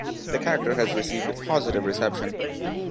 The character has received positive reception.